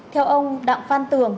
theo ông đạo phan tường